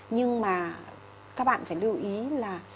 nhưng mà các bạn phải lưu ý là